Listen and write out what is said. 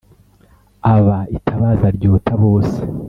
Aba itabaza ryota bose.